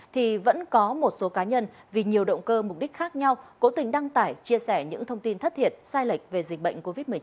thì vẫn có một số cá nhân vì nhiều động cơ mục đích khác nhau cố tình đăng tải chia sẻ những thông tin thất thiệt sai lệch về dịch bệnh covid một mươi chín